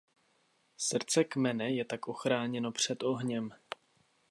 Srdce kmene je tak chráněno před ohněm.